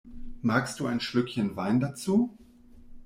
Magst du ein Schlückchen Wein dazu?